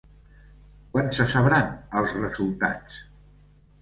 Quan se sabran els resultats?